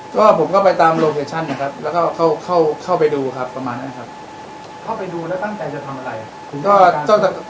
ก็ผมก็ไปตามโลเคชั่นครับแล้วก็เข้าไปดูครับประมาณนั้นครับ